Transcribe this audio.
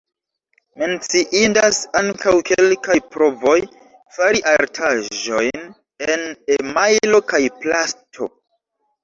Menciindas ankaŭ kelkaj provoj fari artaĵojn en emajlo kaj plasto.